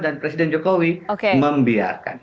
dan presiden jokowi membiarkan